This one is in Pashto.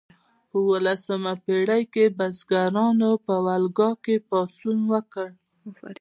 په اوولسمه پیړۍ کې بزګرانو په والګا کې پاڅون وکړ.